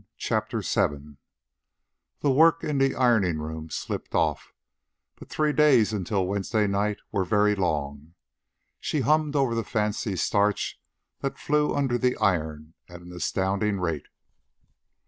CHAPTER VII The work in the ironing room slipped off, but the three days until Wednesday night were very long. She hummed over the fancy starch that flew under the iron at an astounding rate.